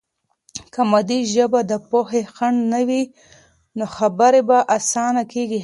که مادي ژبه د پوهې خنډ نه وي، نو خبرې به آسانه کیږي.